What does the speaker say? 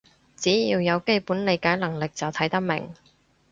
只要有基本理解能力就睇得明